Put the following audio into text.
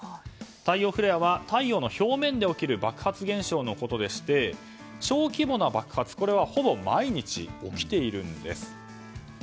太陽フレアは太陽の表面で起きる爆発現象のことでして小規模な爆発は毎日起きているんです。